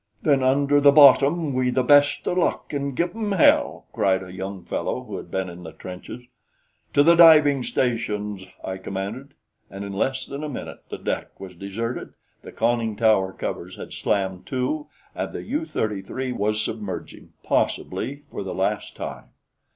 "Then under the bottom, wi' the best o' luck an' give 'em hell!" cried a young fellow who had been in the trenches. "To the diving stations!" I commanded, and in less than a minute the deck was deserted, the conning tower covers had slammed to and the U 33 was submerging possibly for the last time.